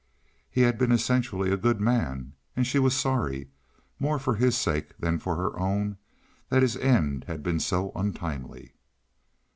He had been essentially a good man, and she was sorry—more for his sake than for her own that his end had been so untimely.